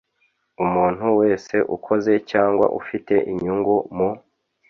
Umuntu wese ukoze cyangwa ufite inyungu mu